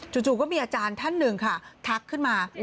จู่ก็มีอาจารย์ท่านหนึ่งค่ะทักขึ้นมา